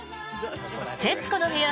「徹子の部屋」